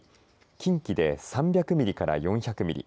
近畿で３００ミリから４００ミリ